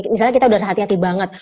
misalnya kita sudah hati hati banget